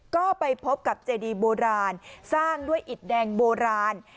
ก็ไปพบกับเจดีโบราณสร้างด้วยอิดแดงโบราณ